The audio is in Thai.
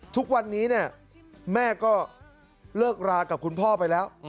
ทุกวันนี้เนี่ยแม่ก็เลิกรากับคุณพ่อไปแล้ว